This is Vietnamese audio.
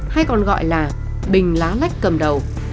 hay còn gọi là bình lá lách cầm đầu